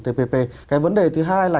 tpp cái vấn đề thứ hai là